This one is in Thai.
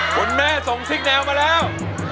คุณแม่ส่งซิกแนวมาแล้ว